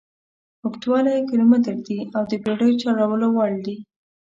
اوږدوالی یې کیلومتره دي او د بېړیو چلولو وړ دي.